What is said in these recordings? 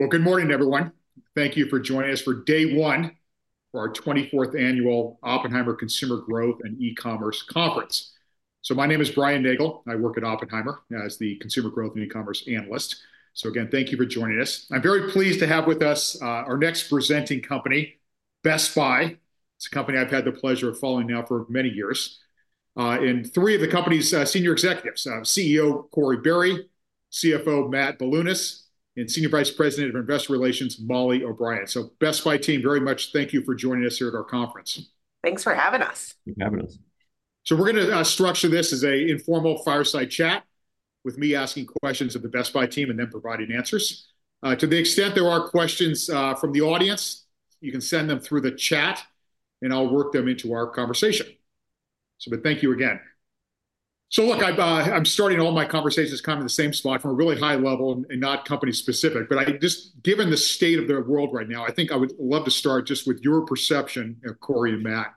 Well, good morning, everyone. Thank you for joining us for day one for our 24th Annual Oppenheimer Consumer Growth and E-Commerce Conference. So my name is Brian Nagel. I work at Oppenheimer as the Consumer Growth and E-Commerce Analyst. So again, thank you for joining us. I'm very pleased to have with us our next presenting company, Best Buy. It's a company I've had the pleasure of following now for many years. And three of the company's senior executives: CEO Corie Barry, CFO Matt Bilunas, and Senior Vice President of Investor Relations Mollie O'Brien. So Best Buy team, very much thank you for joining us here at our conference. Thanks for having us. Thanks for having us. So we're going to structure this as an informal fireside chat with me asking questions of the Best Buy team and then providing answers. To the extent there are questions from the audience, you can send them through the chat, and I'll work them into our conversation. But thank you again. So look, I'm starting all my conversations kind of in the same spot from a really high level and not company specific. But just given the state of the world right now, I think I would love to start just with your perception, Corie and Matt,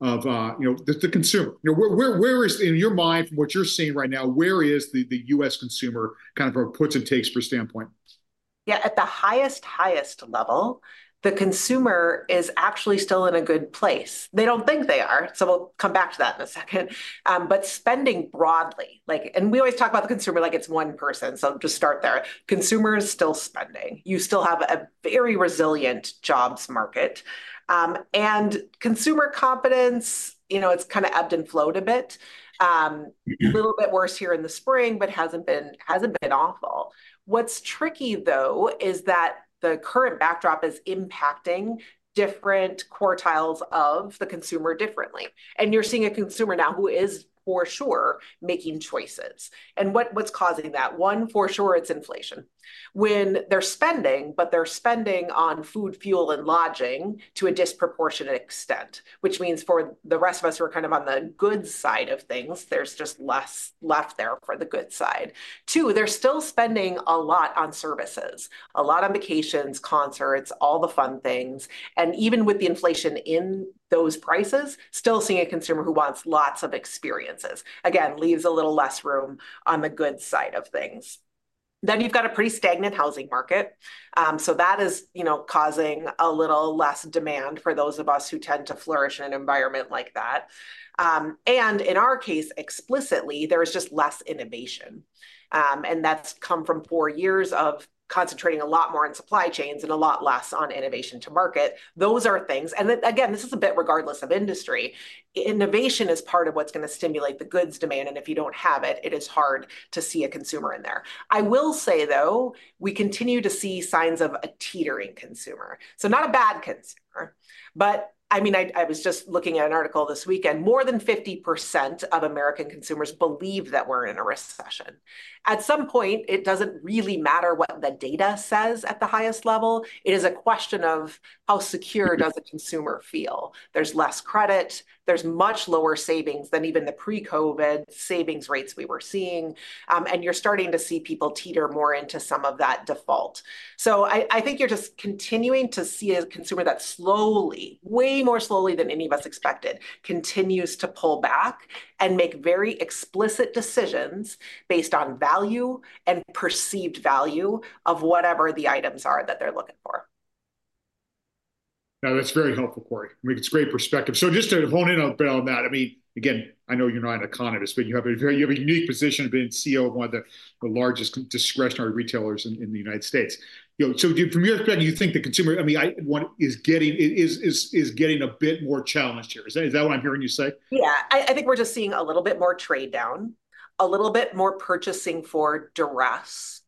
of the consumer. Where is, in your mind, from what you're seeing right now, where is the U.S. consumer kind of puts and takes for standpoint? Yeah, at the highest, highest level, the consumer is actually still in a good place. They don't think they are. So we'll come back to that in a second. But spending broadly, and we always talk about the consumer like it's one person. So just start there. Consumer is still spending. You still have a very resilient jobs market. And consumer confidence, you know, it's kind of ebbed and flowed a bit, a little bit worse here in the spring, but hasn't been awful. What's tricky, though, is that the current backdrop is impacting different quartiles of the consumer differently. And you're seeing a consumer now who is, for sure, making choices. And what's causing that? One, for sure, it's inflation. When they're spending, but they're spending on food, fuel, and lodging to a disproportionate extent, which means for the rest of us who are kind of on the good side of things, there's just less left there for the good side. Two, they're still spending a lot on services, a lot on vacations, concerts, all the fun things. And even with the inflation in those prices, still seeing a consumer who wants lots of experiences. Again, leaves a little less room on the good side of things. Then you've got a pretty stagnant housing market. So that is causing a little less demand for those of us who tend to flourish in an environment like that. And in our case, explicitly, there is just less innovation. And that's come from four years of concentrating a lot more on supply chains and a lot less on innovation to market. Those are things. And again, this is a bit regardless of industry. Innovation is part of what's going to stimulate the goods demand. And if you don't have it, it is hard to see a consumer in there. I will say, though, we continue to see signs of a teetering consumer. So not a bad consumer. But I mean, I was just looking at an article this weekend. More than 50% of American consumers believe that we're in a recession. At some point, it doesn't really matter what the data says at the highest level. It is a question of how secure does the consumer feel. There's less credit. There's much lower savings than even the pre-COVID savings rates we were seeing. And you're starting to see people teeter more into some of that default. I think you're just continuing to see a consumer that slowly, way more slowly than any of us expected, continues to pull back and make very explicit decisions based on value and perceived value of whatever the items are that they're looking for. No, that's very helpful, Corie. It's great perspective. So just to hone in a bit on that, I mean, again, I know you're not an economist, but you have a unique position of being CEO of one of the largest discretionary retailers in the United States. So from your perspective, you think the consumer, I mean, is getting a bit more challenged here. Is that what I'm hearing you say? Yeah. I think we're just seeing a little bit more trade down, a little bit more purchasing for duress,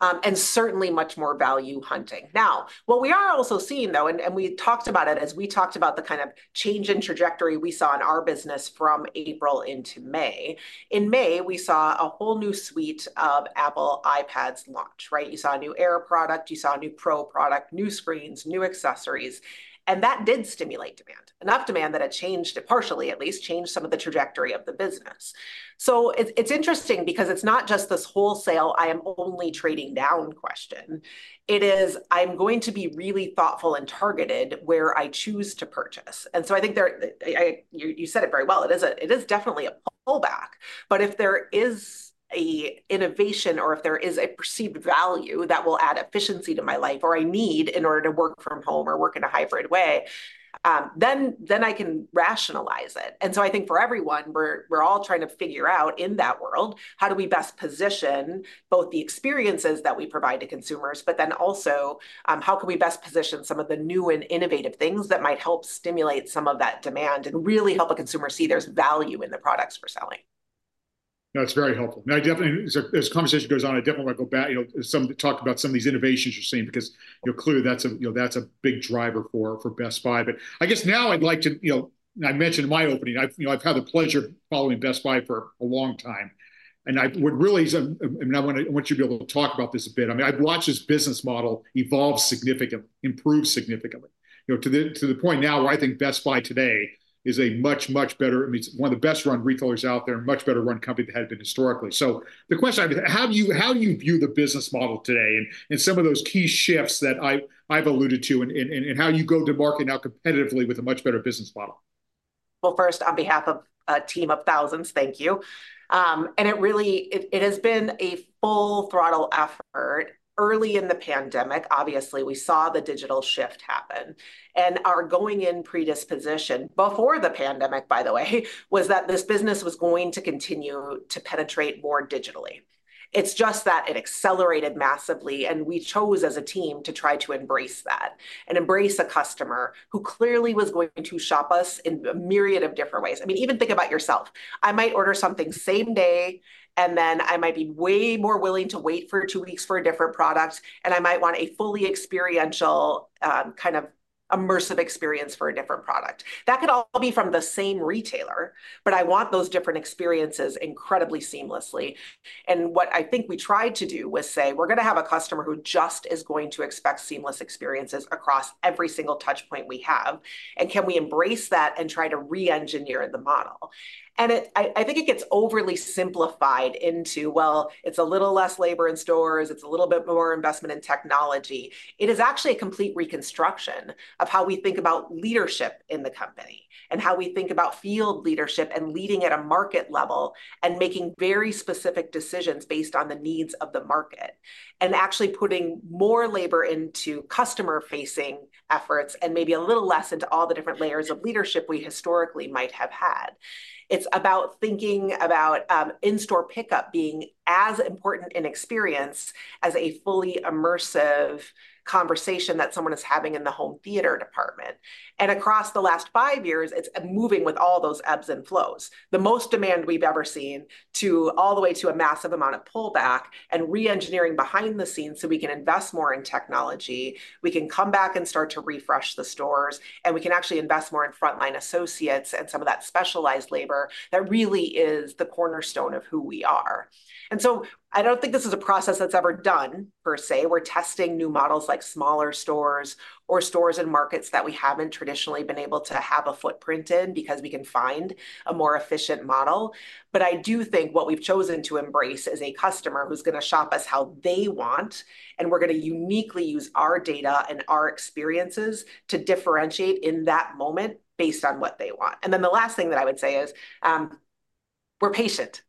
and certainly much more value hunting. Now, what we are also seeing, though, and we talked about it as we talked about the kind of change in trajectory we saw in our business from April into May. In May, we saw a whole new suite of Apple iPads launch. You saw a new Air product. You saw a new Pro product, new screens, new accessories. And that did stimulate demand, enough demand that it changed it partially, at least changed some of the trajectory of the business. So it's interesting because it's not just this wholesale, I am only trading down question. It is, I'm going to be really thoughtful and targeted where I choose to purchase. And so I think you said it very well. It is definitely a pullback. But if there is an innovation or if there is a perceived value that will add efficiency to my life or I need in order to work from home or work in a hybrid way, then I can rationalize it. And so I think for everyone, we're all trying to figure out in that world, how do we best position both the experiences that we provide to consumers, but then also how can we best position some of the new and innovative things that might help stimulate some of that demand and really help a consumer see there's value in the products we're selling. That's very helpful. Now, definitely, as the conversation goes on, I definitely want to go back, talk about some of these innovations you're seeing because clearly that's a big driver for Best Buy. But I guess now I'd like to. I mentioned in my opening, I've had the pleasure of following Best Buy for a long time. And I would really, I want you to be able to talk about this a bit. I mean, I've watched this business model evolve significantly, improve significantly to the point now where I think Best Buy today is a much, much better, I mean, one of the best-run retailers out there, much better-run company that had been historically. The question I have, how do you view the business model today and some of those key shifts that I've alluded to and how you go to market now competitively with a much better business model? Well, first, on behalf of a team of thousands, thank you. It has been a full-throttle effort. Early in the pandemic, obviously, we saw the digital shift happen. Our going-in predisposition before the pandemic, by the way, was that this business was going to continue to penetrate more digitally. It's just that it accelerated massively. We chose as a team to try to embrace that and embrace a customer who clearly was going to shop us in a myriad of different ways. I mean, even think about yourself. I might order something same day, and then I might be way more willing to wait for two weeks for a different product. I might want a fully experiential kind of immersive experience for a different product. That could all be from the same retailer, but I want those different experiences incredibly seamlessly. What I think we tried to do was say, we're going to have a customer who just is going to expect seamless experiences across every single touch point we have. And can we embrace that and try to re-engineer the model? And I think it gets overly simplified into, well, it's a little less labor in stores. It's a little bit more investment in technology. It is actually a complete reconstruction of how we think about leadership in the company and how we think about field leadership and leading at a market level and making very specific decisions based on the needs of the market and actually putting more labor into customer-facing efforts and maybe a little less into all the different layers of leadership we historically might have had. It's about thinking about in-store pickup being as important in experience as a fully immersive conversation that someone is having in the home theater department. Across the last five years, it's moving with all those ebbs and flows, the most demand we've ever seen to all the way to a massive amount of pullback and re-engineering behind the scenes so we can invest more in technology. We can come back and start to refresh the stores. We can actually invest more in frontline associates and some of that specialized labor that really is the cornerstone of who we are. I don't think this is a process that's ever done per se. We're testing new models like smaller stores or stores and markets that we haven't traditionally been able to have a footprint in because we can find a more efficient model. But I do think what we've chosen to embrace is a customer who's going to shop us how they want. And we're going to uniquely use our data and our experiences to differentiate in that moment based on what they want. And then the last thing that I would say is we're patient.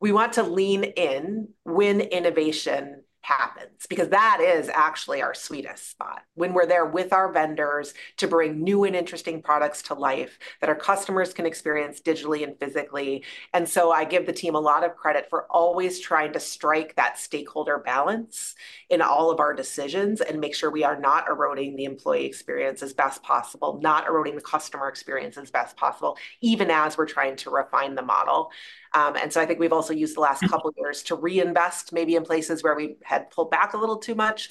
We want to lean in when innovation happens because that is actually our sweetest spot when we're there with our vendors to bring new and interesting products to life that our customers can experience digitally and physically. And so I give the team a lot of credit for always trying to strike that stakeholder balance in all of our decisions and make sure we are not eroding the employee experience as best possible, not eroding the customer experience as best possible, even as we're trying to refine the model. And so I think we've also used the last couple of years to reinvest maybe in places where we had pulled back a little too much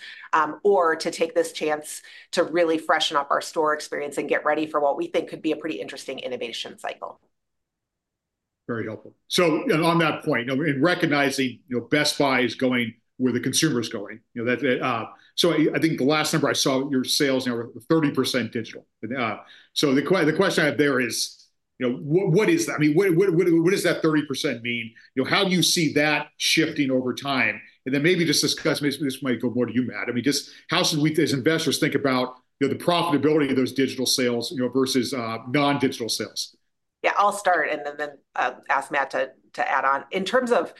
or to take this chance to really freshen up our store experience and get ready for what we think could be a pretty interesting innovation cycle. Very helpful. So on that point, recognizing Best Buy is going where the consumer is going. So I think the last number I saw, your sales now were 30% digital. So the question I have there is, what is that? I mean, what does that 30% mean? How do you see that shifting over time? And then maybe just discuss this might go more to you, Matt. I mean, just how should we as investors think about the profitability of those digital sales versus non-digital sales? Yeah, I'll start and then ask Matt to add on. In terms of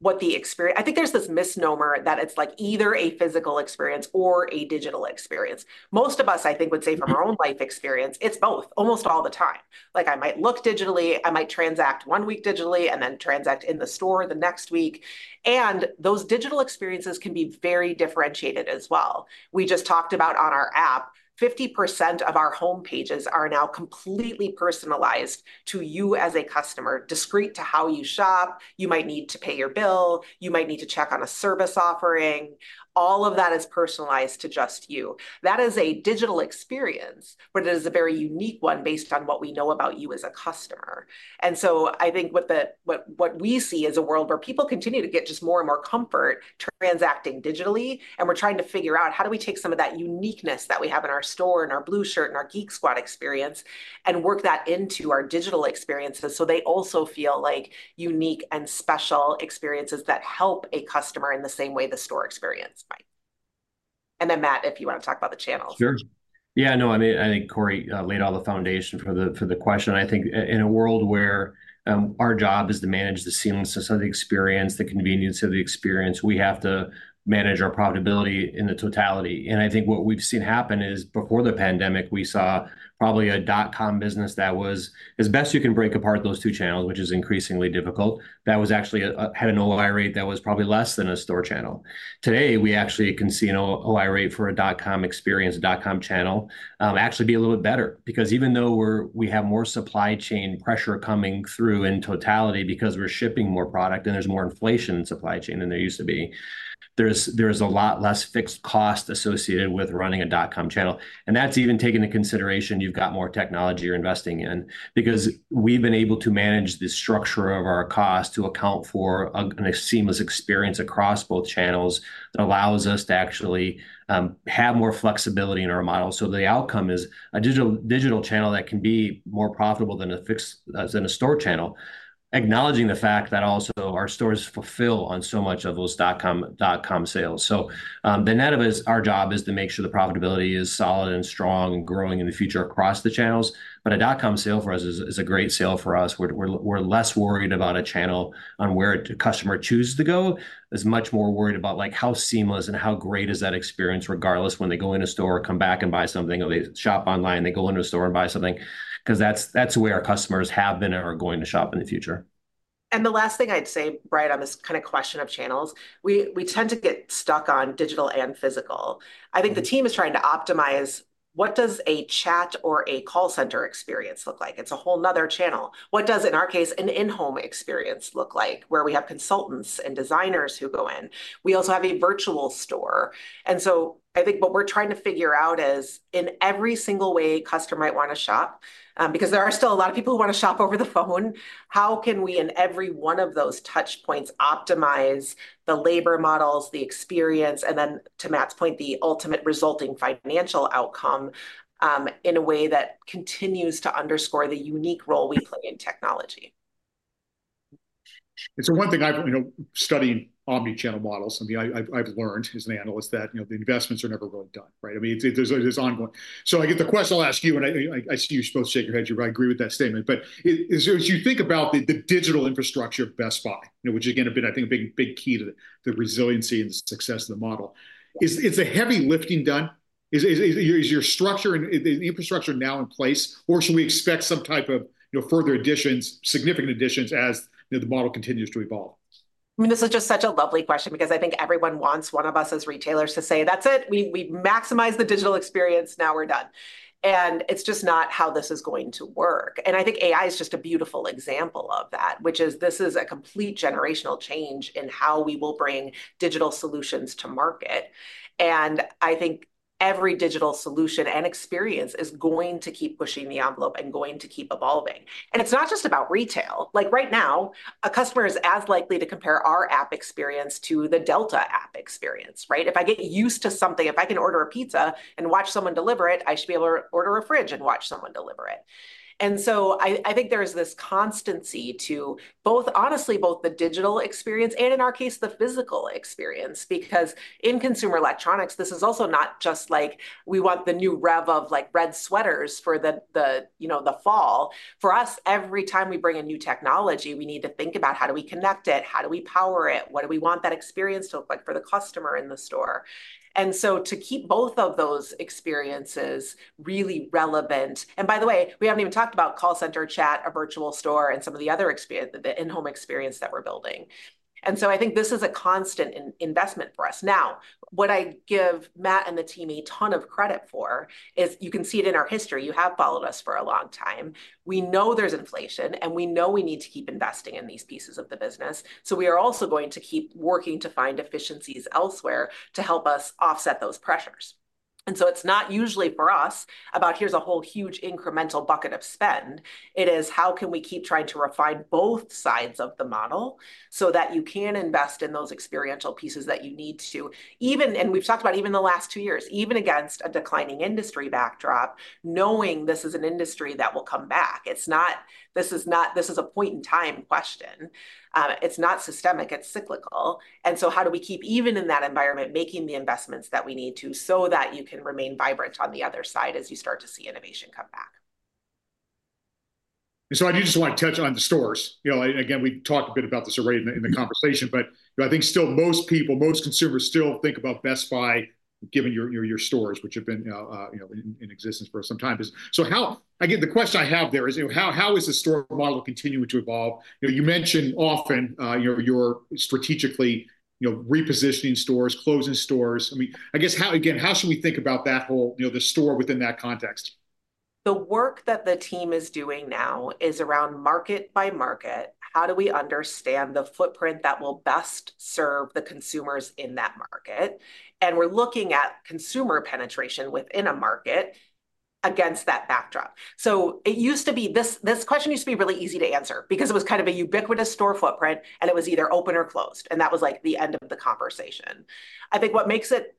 what the experience, I think there's this misnomer that it's like either a physical experience or a digital experience. Most of us, I think, would say from our own life experience, it's both almost all the time. I might look digitally. I might transact one week digitally and then transact in the store the next week. And those digital experiences can be very differentiated as well. We just talked about, on our app, 50% of our home pages are now completely personalized to you as a customer, discrete to how you shop. You might need to pay your bill. You might need to check on a service offering. All of that is personalized to just you. That is a digital experience, but it is a very unique one based on what we know about you as a customer. And so I think what we see is a world where people continue to get just more and more comfort transacting digitally. And we're trying to figure out how do we take some of that uniqueness that we have in our store and our Blue Shirt and our Geek Squad experience and work that into our digital experiences so they also feel like unique and special experiences that help a customer in the same way the store experience might. And then, Matt, if you want to talk about the channels. Sure. Yeah, no, I mean, I think Corie laid all the foundation for the question. I think in a world where our job is to manage the seamlessness of the experience, the convenience of the experience, we have to manage our profitability in the totality. And I think what we've seen happen is before the pandemic, we saw probably a dot-com business that was, as best you can break apart those two channels, which is increasingly difficult, that had an OI rate that was probably less than a store channel. Today, we actually can see an OI rate for a dot-com experience, a dot-com channel actually be a little bit better because even though we have more supply chain pressure coming through in totality because we're shipping more product and there's more inflation in supply chain than there used to be, there's a lot less fixed cost associated with running a dot-com channel. That's even taken into consideration you've got more technology you're investing in because we've been able to manage the structure of our costs to account for a seamless experience across both channels that allows us to actually have more flexibility in our model. The outcome is a digital channel that can be more profitable than a store channel, acknowledging the fact that also our stores fulfill on so much of those dot-com sales. The net of our job is to make sure the profitability is solid and strong and growing in the future across the channels. A dot-com sale for us is a great sale for us. We're less worried about a channel on where a customer chooses to go. It's much more worried about how seamless and how great is that experience regardless when they go in a store or come back and buy something or they shop online, they go into a store and buy something because that's where our customers have been or are going to shop in the future. The last thing I'd say, right on this kind of question of channels, we tend to get stuck on digital and physical. I think the team is trying to optimize what does a chat or a call center experience look like? It's a whole nother channel. What does, in our case, an in-home experience look like where we have consultants and designers who go in? We also have a virtual store. And so I think what we're trying to figure out is in every single way a customer might want to shop, because there are still a lot of people who want to shop over the phone, how can we in every one of those touch points optimize the labor models, the experience, and then, to Matt's point, the ultimate resulting financial outcome in a way that continues to underscore the unique role we play in technology? And so, one thing I've studied omnichannel models. I mean, I've learned as an analyst that the investments are never really done. I mean, it's ongoing. So, I get the question I'll ask you, and I see you're supposed to shake your head. You agree with that statement. But as you think about the digital infrastructure of Best Buy, which is, again, I think a big key to the resiliency and the success of the model, is the heavy lifting done? Is your structure and infrastructure now in place, or should we expect some type of further additions, significant additions as the model continues to evolve? I mean, this is just such a lovely question because I think everyone wants, one of us as retailers to say, that's it. We maximize the digital experience. Now we're done. And it's just not how this is going to work. And I think AI is just a beautiful example of that, which is this is a complete generational change in how we will bring digital solutions to market. And I think every digital solution and experience is going to keep pushing the envelope and going to keep evolving. And it's not just about retail. Like right now, a customer is as likely to compare our app experience to the Delta app experience. If I get used to something, if I can order a pizza and watch someone deliver it, I should be able to order a fridge and watch someone deliver it. And so I think there is this constancy to both, honestly, both the digital experience and, in our case, the physical experience because in consumer electronics, this is also not just like we want the new rev of red sweaters for the fall. For us, every time we bring a new technology, we need to think about how do we connect it, how do we power it, what do we want that experience to look like for the customer in the store. And so to keep both of those experiences really relevant. And by the way, we haven't even talked about call center chat, a virtual store, and some of the other in-home experience that we're building. And so I think this is a constant investment for us. Now, what I give Matt and the team a ton of credit for is you can see it in our history. You have followed us for a long time. We know there's inflation, and we know we need to keep investing in these pieces of the business. So we are also going to keep working to find efficiencies elsewhere to help us offset those pressures. And so it's not usually for us about here's a whole huge incremental bucket of spend. It is how can we keep trying to refine both sides of the model so that you can invest in those experiential pieces that you need to. And we've talked about even the last two years, even against a declining industry backdrop, knowing this is an industry that will come back. This is a point-in-time question. It's not systemic. It's cyclical. How do we keep, even in that environment, making the investments that we need to so that you can remain vibrant on the other side as you start to see innovation come back? So I do just want to touch on the stores. Again, we talked a bit about this already in the conversation, but I think still most people, most consumers still think about Best Buy given your stores, which have been in existence for some time. So the question I have there is how is the store model continuing to evolve? You mentioned often you're strategically repositioning stores, closing stores. I mean, I guess, again, how should we think about that whole, the store within that context? The work that the team is doing now is around market by market. How do we understand the footprint that will best serve the consumers in that market? And we're looking at consumer penetration within a market against that backdrop. So it used to be this question used to be really easy to answer because it was kind of a ubiquitous store footprint, and it was either open or closed. And that was like the end of the conversation. I think what makes it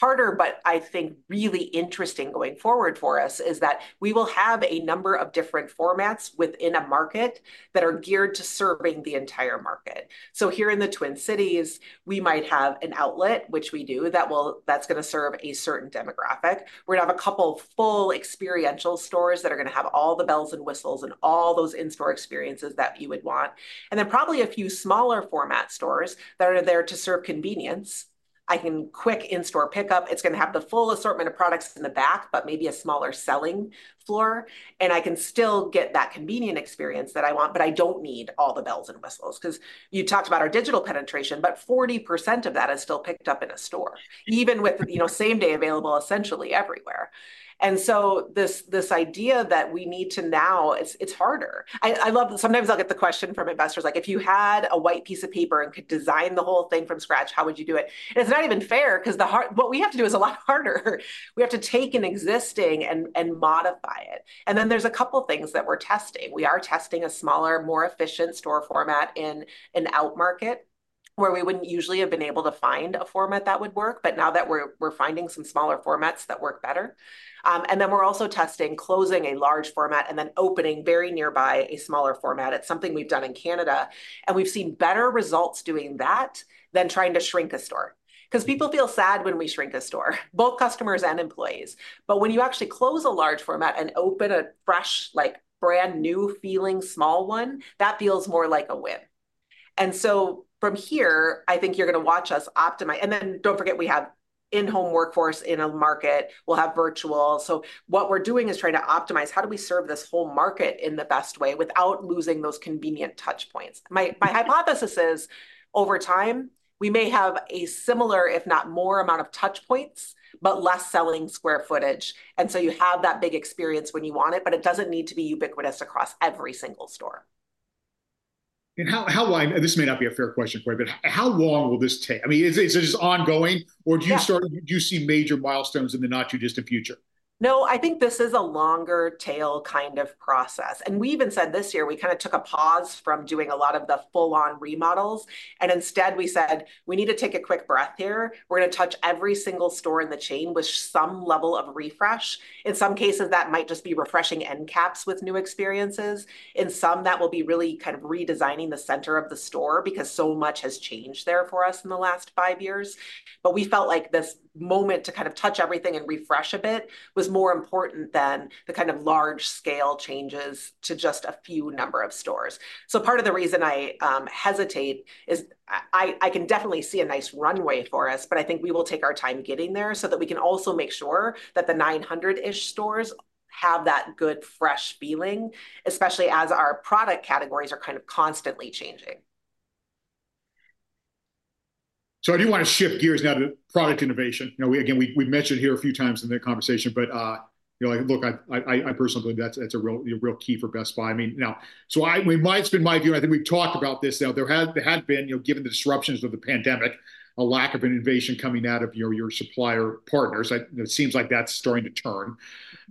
harder, but I think really interesting going forward for us is that we will have a number of different formats within a market that are geared to serving the entire market. So here in the Twin Cities, we might have an outlet, which we do, that's going to serve a certain demographic. We're going to have a couple of full experiential stores that are going to have all the bells and whistles and all those in-store experiences that you would want. And then probably a few smaller format stores that are there to serve convenience. I can quick in-store pickup. It's going to have the full assortment of products in the back, but maybe a smaller selling floor. And I can still get that convenient experience that I want, but I don't need all the bells and whistles because you talked about our digital penetration, but 40% of that is still picked up in a store, even with same-day available essentially everywhere. And so this idea that we need to now, it's harder. Sometimes I'll get the question from investors, like, if you had a white piece of paper and could design the whole thing from scratch, how would you do it? It's not even fair because what we have to do is a lot harder. We have to take an existing and modify it. And then there's a couple of things that we're testing. We are testing a smaller, more efficient store format in an out market where we wouldn't usually have been able to find a format that would work, but now that we're finding some smaller formats that work better. And then we're also testing closing a large format and then opening very nearby a smaller format. It's something we've done in Canada. And we've seen better results doing that than trying to shrink a store because people feel sad when we shrink a store, both customers and employees. But when you actually close a large format and open a fresh, brand new feeling small one, that feels more like a win. And so from here, I think you're going to watch us optimize. And then don't forget, we have in-home workforce in a market. We'll have virtual. So what we're doing is trying to optimize how do we serve this whole market in the best way without losing those convenient touch points. My hypothesis is over time, we may have a similar, if not more amount of touch points, but less selling square footage. And so you have that big experience when you want it, but it doesn't need to be ubiquitous across every single store. How long, this may not be a fair question, Corie, but how long will this take? I mean, is this ongoing, or do you see major milestones in the not-too-distant future? No, I think this is a longer tail kind of process. We even said this year, we kind of took a pause from doing a lot of the full-on remodels. Instead, we said, we need to take a quick breath here. We're going to touch every single store in the chain with some level of refresh. In some cases, that might just be refreshing end caps with new experiences. In some, that will be really kind of redesigning the center of the store because so much has changed there for us in the last five years. But we felt like this moment to kind of touch everything and refresh a bit was more important than the kind of large-scale changes to just a few number of stores. So part of the reason I hesitate is I can definitely see a nice runway for us, but I think we will take our time getting there so that we can also make sure that the 900-ish stores have that good fresh feeling, especially as our product categories are kind of constantly changing. So I do want to shift gears now to product innovation. Again, we've mentioned here a few times in the conversation, but look, I personally believe that's a real key for Best Buy. I mean, now, so it might have been my view. I think we've talked about this now. There had been, given the disruptions of the pandemic, a lack of innovation coming out of your supplier partners. It seems like that's starting to turn.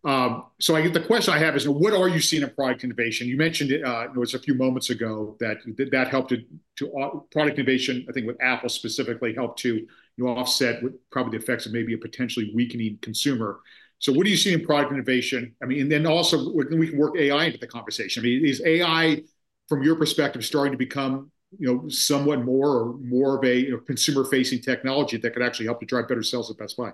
So I guess the question I have is, what are you seeing in product innovation? You mentioned it was a few moments ago that that helped to product innovation, I think with Apple specifically helped to offset probably the effects of maybe a potentially weakening consumer. So what do you see in product innovation? I mean, and then also we can work AI into the conversation. I mean, is AI, from your perspective, starting to become somewhat more and more of a consumer-facing technology that could actually help to drive better sales at Best Buy?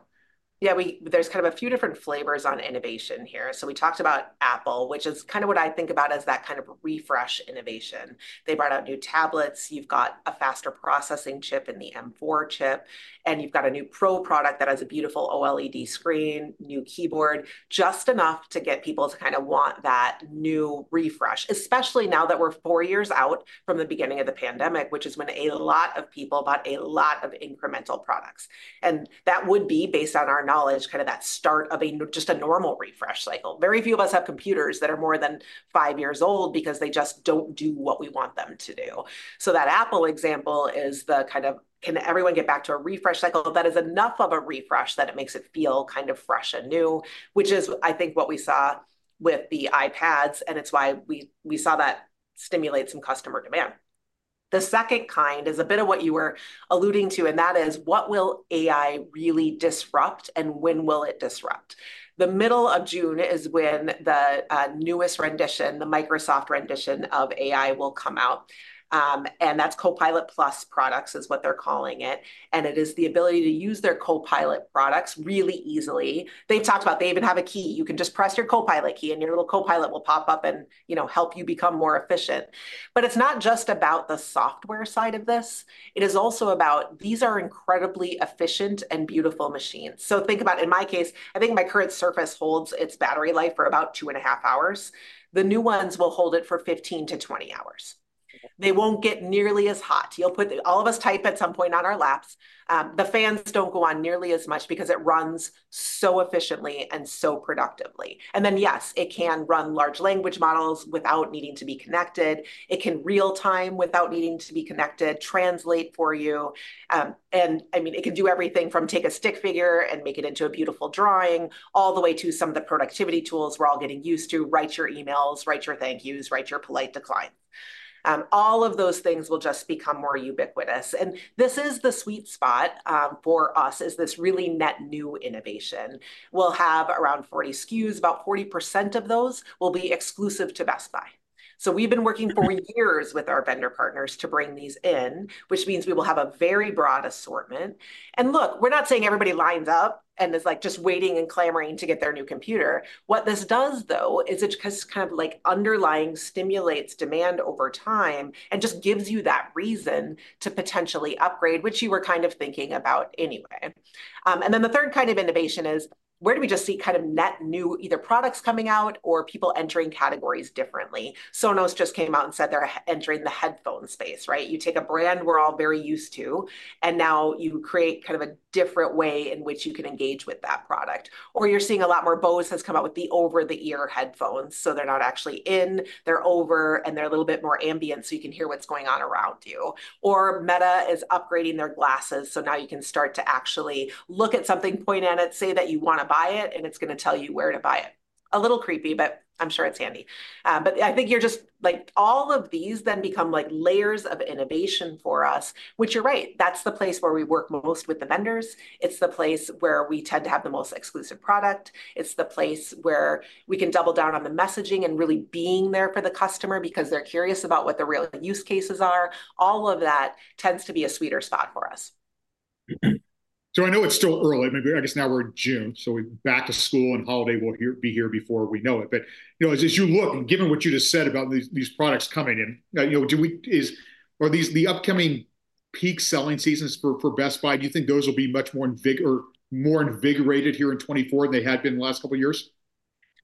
Yeah, there's kind of a few different flavors on innovation here. So we talked about Apple, which is kind of what I think about as that kind of refresh innovation. They brought out new tablets. You've got a faster processing chip in the M4 chip. And you've got a new Pro product that has a beautiful OLED screen, new keyboard, just enough to get people to kind of want that new refresh, especially now that we're four years out from the beginning of the pandemic, which is when a lot of people bought a lot of incremental products. And that would be, based on our knowledge, kind of that start of just a normal refresh cycle. Very few of us have computers that are more than 5 years old because they just don't do what we want them to do. So that Apple example is the kind of, can everyone get back to a refresh cycle that is enough of a refresh that it makes it feel kind of fresh and new, which is, I think, what we saw with the iPads. And it's why we saw that stimulate some customer demand. The second kind is a bit of what you were alluding to, and that is, what will AI really disrupt and when will it disrupt? The middle of June is when the newest rendition, the Microsoft rendition of AI will come out. And that's Copilot+ products is what they're calling it. And it is the ability to use their Copilot products really easily. They've talked about they even have a key. You can just press your Copilot key, and your little Copilot will pop up and help you become more efficient. But it's not just about the software side of this. It is also about these are incredibly efficient and beautiful machines. So think about, in my case, I think my current Surface holds its battery life for about 2.5 hours. The new ones will hold it for 15-20 hours. They won't get nearly as hot. All of us type at some point on our laps. The fans don't go on nearly as much because it runs so efficiently and so productively. And then, yes, it can run large language models without needing to be connected. It can real-time without needing to be connected, translate for you. And I mean, it can do everything from take a stick figure and make it into a beautiful drawing all the way to some of the productivity tools we're all getting used to, write your emails, write your thank yous, write your polite declines. All of those things will just become more ubiquitous. And this is the sweet spot for us is this really net new innovation. We'll have around 40 SKUs. About 40% of those will be exclusive to Best Buy. So we've been working for years with our vendor partners to bring these in, which means we will have a very broad assortment. And look, we're not saying everybody lines up and is like just waiting and clamoring to get their new computer. What this does, though, is it just kind of like underlying stimulates demand over time and just gives you that reason to potentially upgrade, which you were kind of thinking about anyway. And then the third kind of innovation is where do we just see kind of net new either products coming out or people entering categories differently? Sonos just came out and said they're entering the headphone space, right? You take a brand we're all very used to, and now you create kind of a different way in which you can engage with that product. Or you're seeing a lot more. Bose has come out with the over-the-ear headphones. So they're not actually in, they're over, and they're a little bit more ambient so you can hear what's going on around you. Or Meta is upgrading their glasses. So now you can start to actually look at something, point at it, say that you want to buy it, and it's going to tell you where to buy it. A little creepy, but I'm sure it's handy. But I think you're just like all of these then become like layers of innovation for us, which you're right. That's the place where we work most with the vendors. It's the place where we tend to have the most exclusive product. It's the place where we can double down on the messaging and really being there for the customer because they're curious about what the real use cases are. All of that tends to be a sweeter spot for us. So I know it's still early. I guess now we're in June. So back to school and holiday will be here before we know it. But as you look, given what you just said about these products coming in, are these the upcoming peak selling seasons for Best Buy? Do you think those will be much more invigorated here in 2024 than they had been in the last couple of years?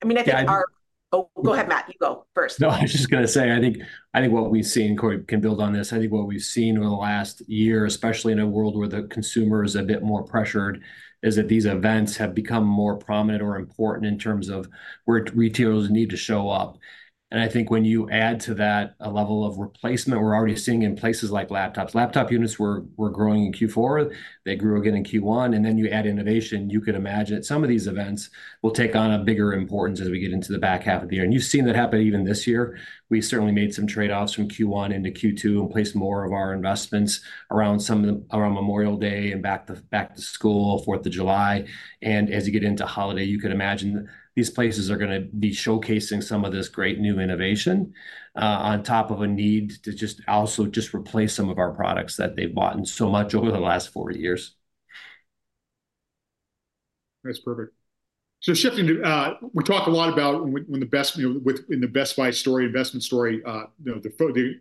I mean, I think our, oh, go ahead, Matt. You go first. No, I was just going to say, I think what we've seen, Corie, can build on this. I think what we've seen over the last year, especially in a world where the consumer is a bit more pressured, is that these events have become more prominent or important in terms of where retailers need to show up. And I think when you add to that a level of replacement we're already seeing in places like laptops. Laptop units were growing in Q4. They grew again in Q1. And then you add innovation, you could imagine that some of these events will take on a bigger importance as we get into the back half of the year. And you've seen that happen even this year. We certainly made some trade-offs from Q1 into Q2 and placed more of our investments around Memorial Day and back to school, 4th of July. As you get into holiday, you could imagine these places are going to be showcasing some of this great new innovation on top of a need to just also just replace some of our products that they've bought in so much over the last four years. That's perfect. So shifting to, we talked a lot about the Best Buy story, investment story, the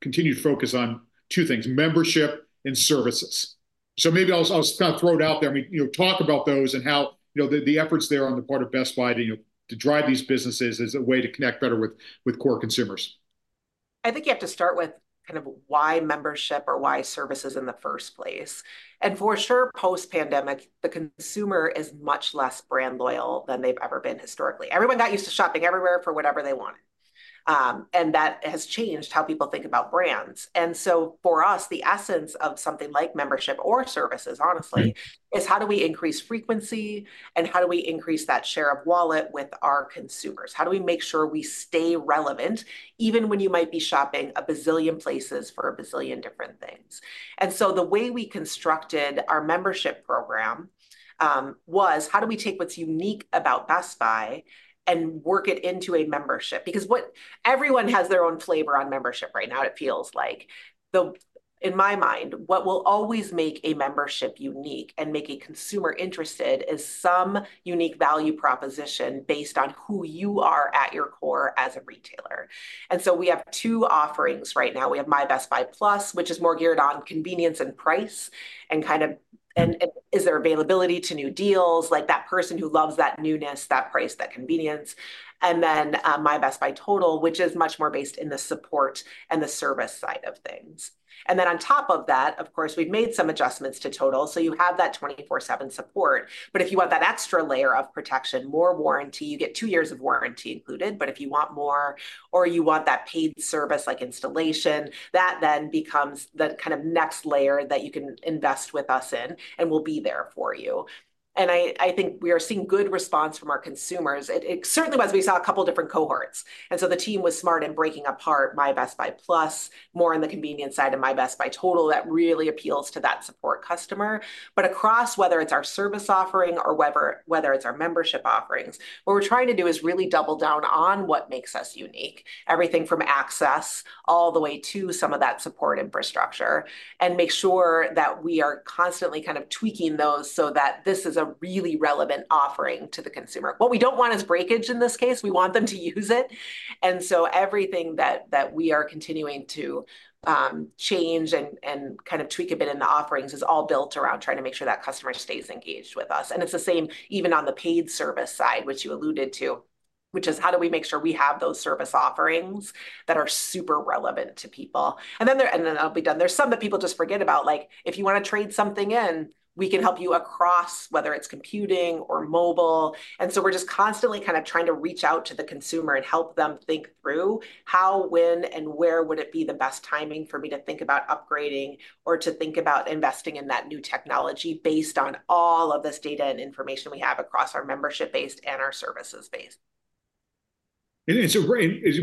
continued focus on two things: membership and services. So maybe I'll kind of throw it out there. I mean, talk about those and how the efforts there on the part of Best Buy to drive these businesses as a way to connect better with core consumers. I think you have to start with kind of why membership or why services in the first place. For sure, post-pandemic, the consumer is much less brand loyal than they've ever been historically. Everyone got used to shopping everywhere for whatever they wanted. That has changed how people think about brands. So for us, the essence of something like membership or services, honestly, is how do we increase frequency and how do we increase that share of wallet with our consumers? How do we make sure we stay relevant even when you might be shopping a bazillion places for a bazillion different things? So the way we constructed our membership program was how do we take what's unique about Best Buy and work it into a membership? Because everyone has their own flavor on membership right now, it feels like. In my mind, what will always make a membership unique and make a consumer interested is some unique value proposition based on who you are at your core as a retailer. And so we have two offerings right now. We have My Best Buy Plus, which is more geared on convenience and price and kind of is there availability to new deals, like that person who loves that newness, that price, that convenience. And then My Best Buy Total, which is much more based in the support and the service side of things. And then on top of that, of course, we've made some adjustments to Total. So you have that 24/7 support. But if you want that extra layer of protection, more warranty, you get two years of warranty included. But if you want more or you want that paid service like installation, that then becomes the kind of next layer that you can invest with us in and we'll be there for you. And I think we are seeing good response from our consumers. It certainly was. We saw a couple of different cohorts. And so the team was smart in breaking apart My Best Buy Plus, more on the convenience side of My Best Buy Total that really appeals to that support customer. But across, whether it's our service offering or whether it's our membership offerings, what we're trying to do is really double down on what makes us unique, everything from access all the way to some of that support infrastructure and make sure that we are constantly kind of tweaking those so that this is a really relevant offering to the consumer. What we don't want is breakage in this case. We want them to use it. And so everything that we are continuing to change and kind of tweak a bit in the offerings is all built around trying to make sure that customer stays engaged with us. And it's the same even on the paid service side, which you alluded to, which is how do we make sure we have those service offerings that are super relevant to people. And then I'll be done. There's some that people just forget about, like if you want to trade something in, we can help you across, whether it's computing or mobile. And so we're just constantly kind of trying to reach out to the consumer and help them think through how, when, and where would it be the best timing for me to think about upgrading or to think about investing in that new technology based on all of this data and information we have across our membership-based and our services-based. We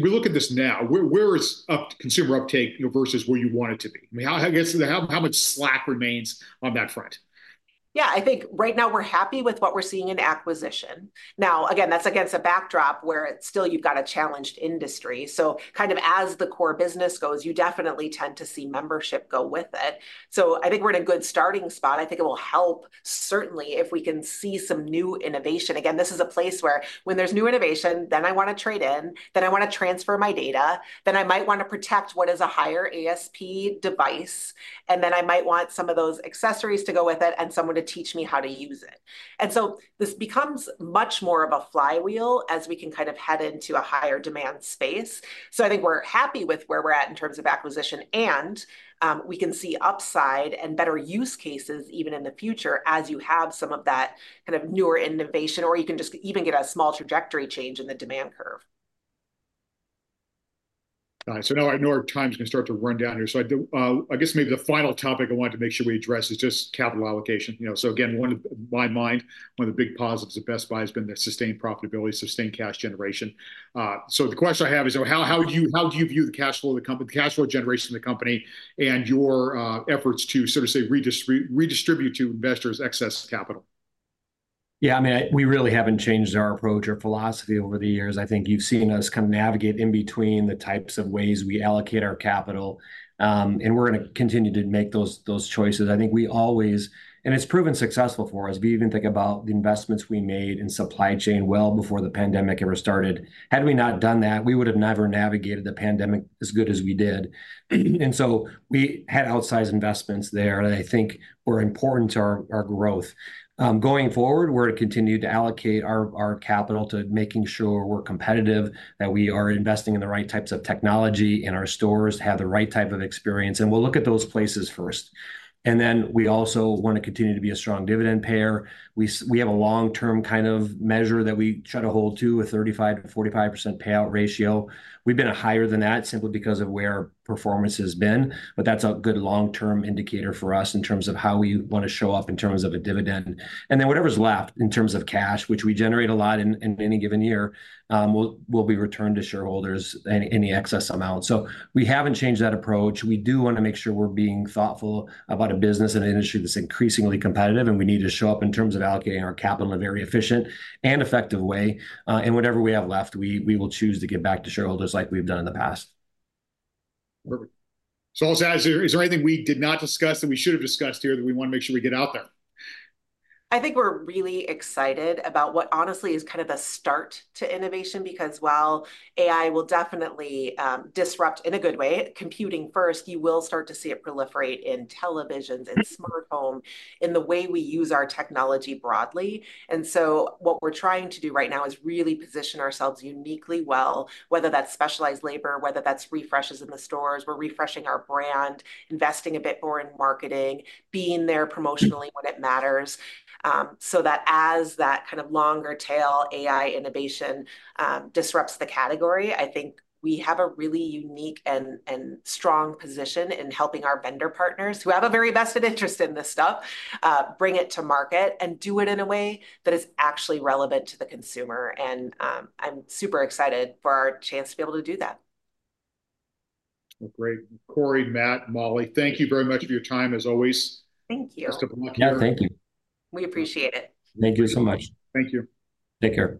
look at this now. Where is consumer uptake versus where you want it to be? I mean, how much slack remains on that front? Yeah, I think right now we're happy with what we're seeing in acquisition. Now, again, that's against a backdrop where still you've got a challenged industry. So kind of as the core business goes, you definitely tend to see membership go with it. So I think we're in a good starting spot. I think it will help certainly if we can see some new innovation. Again, this is a place where when there's new innovation, then I want to trade in, then I want to transfer my data, then I might want to protect what is a higher ASP device, and then I might want some of those accessories to go with it and someone to teach me how to use it. And so this becomes much more of a flywheel as we can kind of head into a higher demand space. I think we're happy with where we're at in terms of acquisition, and we can see upside and better use cases even in the future as you have some of that kind of newer innovation, or you can just even get a small trajectory change in the demand curve. All right. So now our time is going to start to run down here. So I guess maybe the final topic I wanted to make sure we address is just capital allocation. So again, in my mind, one of the big positives of Best Buy has been the sustained profitability, sustained cash generation. So the question I have is, how do you view the cash flow of the company, the cash flow generation of the company, and your efforts to sort of say redistribute to investors excess capital? Yeah, I mean, we really haven't changed our approach or philosophy over the years. I think you've seen us kind of navigate in between the types of ways we allocate our capital. And we're going to continue to make those choices. I think we always, and it's proven successful for us. If you even think about the investments we made in supply chain well before the pandemic ever started, had we not done that, we would have never navigated the pandemic as good as we did. And so we had outsized investments there that I think were important to our growth. Going forward, we're going to continue to allocate our capital to making sure we're competitive, that we are investing in the right types of technology in our stores to have the right type of experience. And we'll look at those places first. And then we also want to continue to be a strong dividend payer. We have a long-term kind of measure that we try to hold to a 35%-45% payout ratio. We've been higher than that simply because of where performance has been. But that's a good long-term indicator for us in terms of how we want to show up in terms of a dividend. And then whatever's left in terms of cash, which we generate a lot in any given year, will be returned to shareholders in the excess amount. So we haven't changed that approach. We do want to make sure we're being thoughtful about a business and an industry that's increasingly competitive, and we need to show up in terms of allocating our capital in a very efficient and effective way. Whatever we have left, we will choose to give back to shareholders like we've done in the past. Perfect. So I'll ask, is there anything we did not discuss that we should have discussed here that we want to make sure we get out there? I think we're really excited about what honestly is kind of a start to innovation because while AI will definitely disrupt in a good way, computing first, you will start to see it proliferate in televisions and smart home in the way we use our technology broadly. And so what we're trying to do right now is really position ourselves uniquely well, whether that's specialized labor, whether that's refreshes in the stores. We're refreshing our brand, investing a bit more in marketing, being there promotionally when it matters so that as that kind of longer tail AI innovation disrupts the category, I think we have a really unique and strong position in helping our vendor partners who have a very vested interest in this stuff bring it to market and do it in a way that is actually relevant to the consumer. I'm super excited for our chance to be able to do that. Well, great. Corie, Matt, Mollie, thank you very much for your time as always. Thank you. Thank you. We appreciate it. Thank you so much. Thank you. Take care.